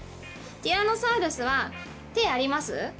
ティラノサウルスは手あります？